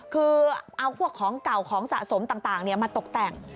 คือเอาพวกของเก่าของสะสมต่างมาตกแต่ง